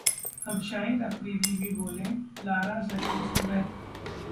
अब शाहिद अफरीदी भी बोले, लारा सचिन से बेहतर